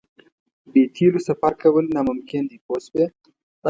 بې تیلو سفر کول ناممکن دي پوه شوې!.